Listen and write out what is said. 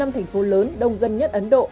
năm thành phố lớn đông dân nhất ấn độ